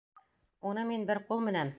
Уны мин бер ҡул менән!